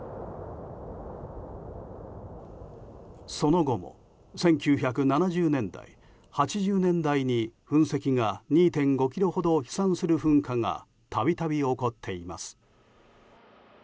その後も１９７０年代、８０年代に噴石が２．５ｋｍほど飛散する噴火がたびたび起こっています。